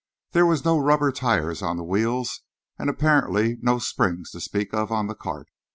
There were no rubber tyres on the wheels, and apparently no springs to speak of on the cart.